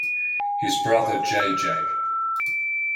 His brother, J. J.